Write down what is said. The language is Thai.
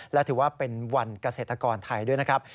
และถือว่าเป็นวันเกษตรกรไทยด้วยนะครับ